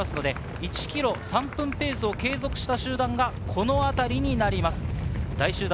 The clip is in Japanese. １ｋｍ３分ペースを継続した集団がこのあたりになります。